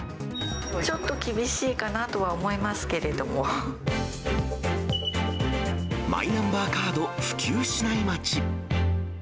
ちょっと厳しいかなとは思いマイナンバーカード普及しない街。